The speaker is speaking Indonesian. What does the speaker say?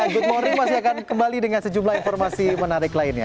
good morning masih akan kembali dengan sejumlah informasi menarik lainnya